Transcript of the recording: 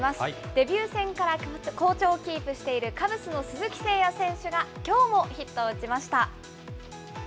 デビュー戦から好調をキープしているカブスの鈴木誠也選手が、きょうもヒットを打ちました。